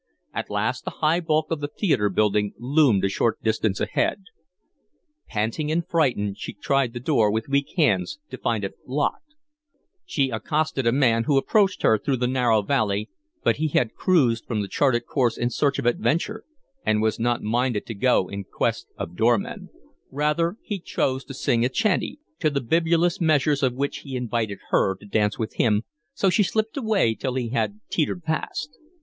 At last the high bulk of the theatre building loomed a short distance ahead. Panting and frightened, she tried the door with weak hands, to find it locked. From behind it rose the blare of brass and the sound of singing. She accosted a man who approached her through the narrow alley, but he had cruised from the charted course in search of adventure and was not minded to go in quest of doormen; rather, he chose to sing a chantey, to the bibulous measures of which he invited her to dance with him, so she slipped away till he had teetered past.